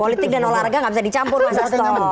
politik dan olahraga gak bisa dicampur mas hasto